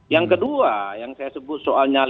yang kedua yang saya sebut soalnya